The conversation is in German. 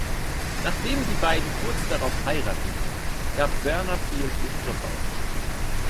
Nachdem die beiden kurz darauf heirateten, gab Verna Fields ihren Job auf.